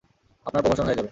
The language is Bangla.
আপনার প্রমোশন হয়ে যাবে!